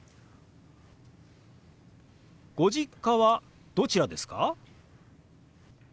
ご実家はどちらですか？